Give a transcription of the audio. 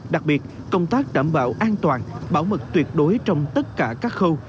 đặc biệt công tác đảm bảo an toàn bảo mật tuyệt đối trong tất cả các khâu